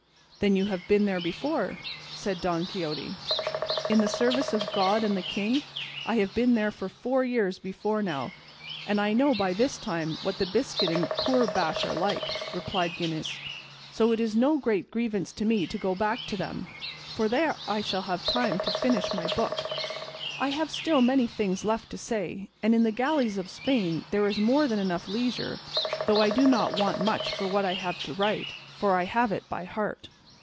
"Then you have been there before?" said Don Quixote. "In the service of God and the king I have been there for four years before now, and I know by this time what the biscuit and courbash are like," replied Gines; "and it is no great grievance to me to go back to them, for there I shall have time to finish my book; I have still many things left to say, and in the galleys of Spain there is more than enough leisure; though I do not want much for what I have to write, for I have it by heart."